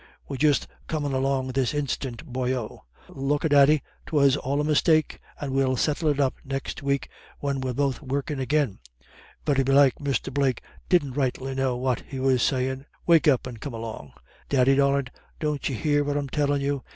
We're just comin' along this instant, boyo. Look a daddy, 'twas all a mistake, and we'll settle it up next week, when we're both workin' agin. Very belike Mr. Blake didn't rightly know what he was sayin'. Wake up and come along.... Daddy darlint, don't you hear what I'm tellin' you?